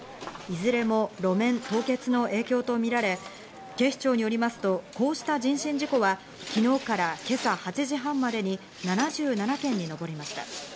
いずれも路面凍結の影響とみられ、警視庁によりますと、こうした人身事故は昨日から今朝８時半までに７７件に上りました。